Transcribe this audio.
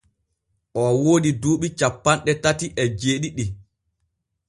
Oo woodi duuɓi cappanɗe tati e jeeɗiɗi.